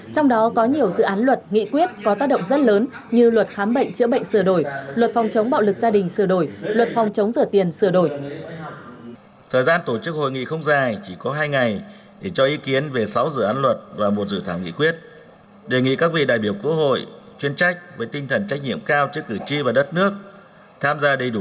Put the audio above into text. trong đó có nhiều dự án luật nghị quyết có tác động rất lớn như luật khám bệnh chữa bệnh sửa đổi luật phòng chống bạo lực gia đình sửa đổi luật phòng chống rửa tiền sửa đổi